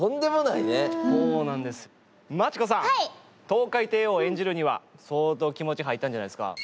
トウカイテイオーを演じるには相当気持ち入ったんじゃないですか？